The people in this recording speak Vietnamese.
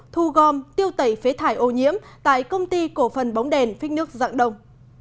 thu gom tiêu tẩy phế thải ô nhiễm tại công ty cổ phần bóng đèn phích nước dạng đông